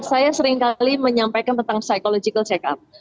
saya seringkali menyampaikan tentang psychological check up